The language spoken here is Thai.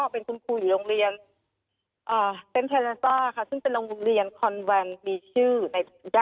เป็นโรงเรียนใหญ่